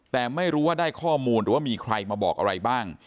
แต่ไม่รู้ว่าได้ข้อมูลหรือว่ามีใครมาบอกอะไรบ้าง